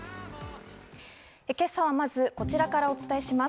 今朝はまずこちらからお伝えします。